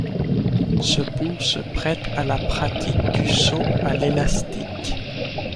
Ce pont se prête à la pratique du saut à l'élastique.